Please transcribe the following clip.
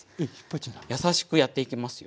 優しくやっていきますよ。